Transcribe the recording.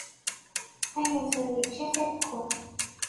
Ayaziḍ ičča afalku.